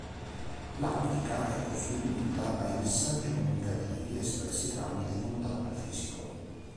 L'aptica è costituita dai messaggi comunicativi espressi tramite contatto fisico.